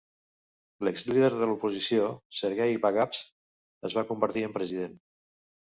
L'exlíder de l'oposició Sergei Bagapsh es va convertir en president.